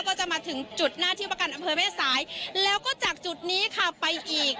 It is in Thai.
ก็จะมาถึงจุดหน้าที่ประกันอำเภอแม่สายแล้วก็จากจุดนี้ค่ะไปอีก